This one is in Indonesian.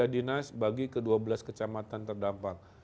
tiga dinas bagi ke dua belas kecamatan terdampak